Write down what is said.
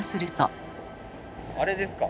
あれですか？